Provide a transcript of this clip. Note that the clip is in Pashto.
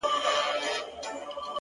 • آسمانه ما ستا د ځوانۍ په تمه,